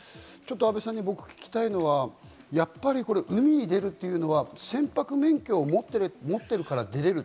安倍さんに聞きたいのはやっぱり海に出るというのは船舶免許を持っているから出られる。